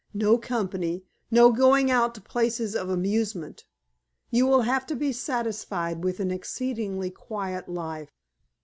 No company, no going out to places of amusement. You will have to be satisfied with an exceedingly quiet life."